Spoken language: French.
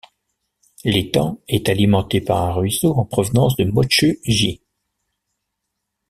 L'étang est alimenté par un ruisseau en provenance du Mōtsū-ji.